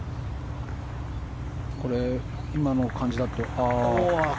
これ今の感じだと。